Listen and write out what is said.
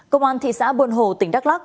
công an thị xã buồn hồ tỉnh đắk lắc